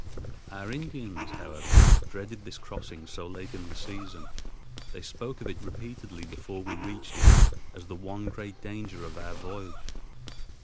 Our Indians, however, dreaded this crossing so late in the season. They spoke of it repeatedly before we reached it as the one great danger of our voyage.